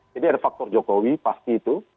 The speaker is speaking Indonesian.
jadi ada faktor jokowi pasti itu